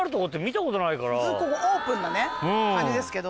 普通ここオープンなね感じですけど。